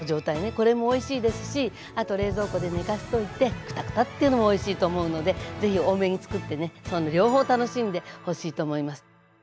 これもおいしいですしあと冷蔵庫で寝かせといてクタクタっていうのもおいしいと思うのでぜひ多めにつくってねその両方を楽しんでほしいと思います。